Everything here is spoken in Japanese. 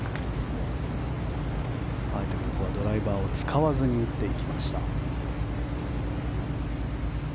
あえてここはドライバーを使わずに打っていきました。